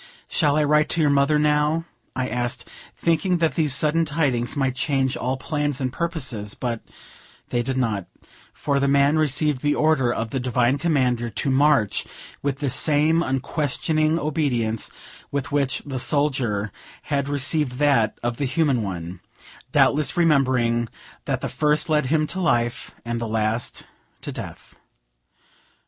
"Shall I write to your mother, now?" I asked, thinking that these sudden tidings might change all plans and purposes; but they did not; for the man received the order of the Divine Commander to march with the same unquestioning obedience with which the soldier had received that of the human one, doubtless remembering that the first led him to life, and the last to death.